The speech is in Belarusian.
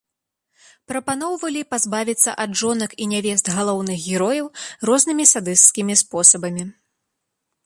Прапаноўвалі пазбавіцца ад жонак і нявест галоўных герояў рознымі садысцкімі спосабамі.